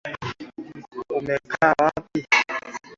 Mmekaa wapi?